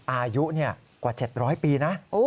อายุกว่า๗๐๐ปีนะ